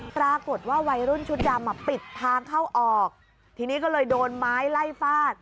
ปรากฏว่าวัยรุ่นชุดดำอ่ะปิดทางเข้าออกทีนี้ก็เลยโดนไม้ไล่ฟาด